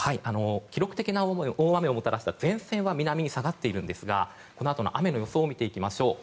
記録的な大雨をもたらした前線は南に下がっているんですがこのあとの雨の予想を見てみましょう。